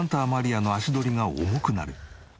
亜の足取りが重くなる。